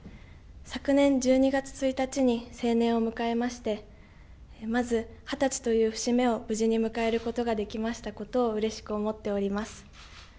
昨年１２月１日に成年を迎えましてまず二十歳という節目を無事に迎えることができましたことをうれしく思っております。